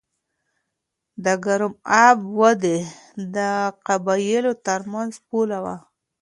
د ګرم آب وادي د قبایلو ترمنځ پوله وه.